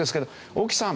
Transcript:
大木さん